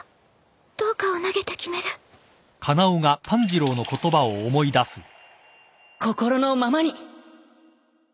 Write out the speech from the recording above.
銅貨を投げて決める心のままに！